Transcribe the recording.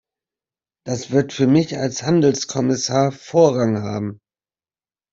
Das wird für mich als Handelskommissar Vorrang haben.